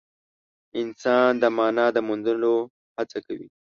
انسان د مانا د موندلو هڅه کوي.